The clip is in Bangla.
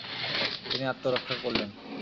তিনি আত্মরক্ষা করলেন।